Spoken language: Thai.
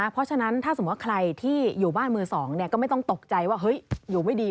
เพราะฉะนั้นถ้าสมมุติว่าใครที่อยู่บ้านมือสองก็ไม่ต้องตกใจว่าเฮ้ยอยู่ไม่ดี